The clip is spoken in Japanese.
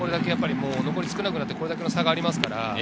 残り少なくなってこれだけの差がありますから。